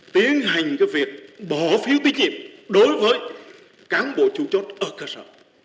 tiến hành việc bỏ phiếu tiết nhiệm đối với cán bộ chủ chốt ở cơ sở